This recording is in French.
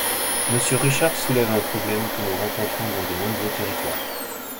Monsieur Richard soulève un problème que nous rencontrons dans de nombreux territoires.